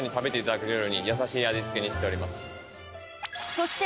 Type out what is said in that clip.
そして